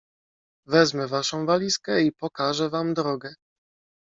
"Wezmę waszą walizkę i pokażę wam drogę."